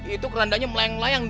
itu kerandanya melayang layang